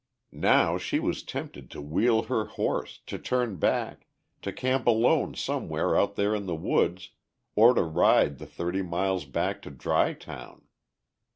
Now she was tempted to wheel her horse, to turn back, to camp alone somewhere out there in the woods, or to ride the thirty miles back to Dry Town.